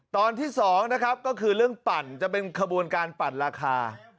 ตอนที่๒นะครับก็คือเรื่องปั่นจะเป็นขบวนการปั่นราคา